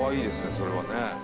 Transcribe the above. それはね